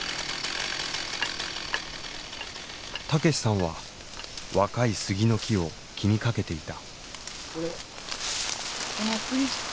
武さんは若い杉の木を気にかけていた。